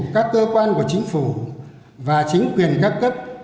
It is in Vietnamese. các cơ quan của chính phủ và chính quyền các cấp